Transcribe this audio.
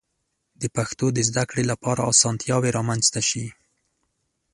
د پښتو د زده کړې لپاره آسانتیاوې رامنځته شي.